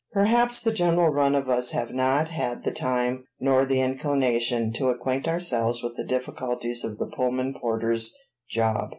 Perhaps the general run of us have not had the time, nor the inclination, to acquaint ourselves with the difficulties of the Pullman porter's job.